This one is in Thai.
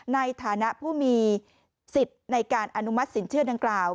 ในฐานะผู้มีสิทธิ์ในการอนุมัติสินเชื่อดังกล่าว